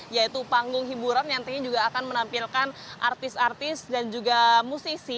yaitu panggung hiburan yang nantinya juga akan menampilkan artis artis dan juga musisi